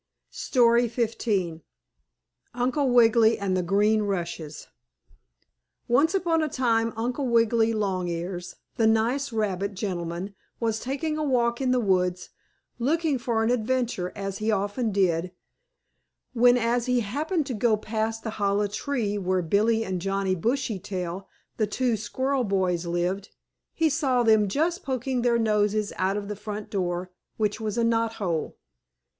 STORY XV UNCLE WIGGILY AND THE GREEN RUSHES Once upon a time Uncle Wiggily Longears, the nice rabbit gentleman, was taking a walk in the woods, looking for an adventure, as he often did, when, as he happened to go past the hollow tree, where Billie and Johnnie Bushytail, the two squirrel boys lived, he saw them just poking their noses out of the front door, which was a knot hole.